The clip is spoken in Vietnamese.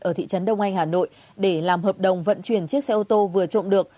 ở thị trấn đông anh hà nội để làm hợp đồng vận chuyển chiếc xe ô tô vừa trộm được